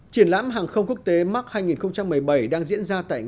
triển lãm hàng không quốc tế mark hai nghìn một mươi bảy đang diễn ra tại nga